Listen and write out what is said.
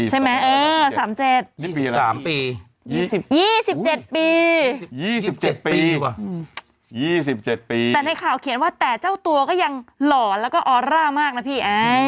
แต่ในข่าวเขียนว่าแต่เจ้าตัวก็ยังหล่อแล้วก็ออร่ามากนะพี่